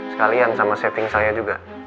sekalian sama setting saya juga